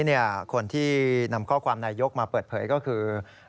คนที่นำข้อความนายกมาเปิดเผยก็คือ